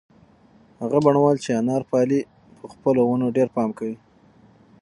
هغه بڼوال چې انار پالي په خپلو ونو ډېر پام کوي.